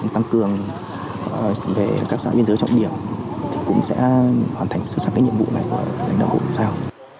tăng cường về các dạng biên giới trọng điểm thì cũng sẽ hoàn thành xuất sắc nhiệm vụ này của lãnh đạo bộ bộ giáo